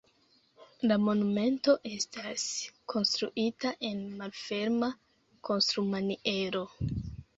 La monumento estas konstruita en malferma konstrumaniero.